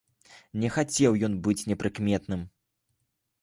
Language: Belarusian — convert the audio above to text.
Не хацеў ён быць непрыкметным.